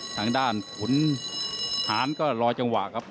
ทางด้านขุนหารก็รอจังหวะครับ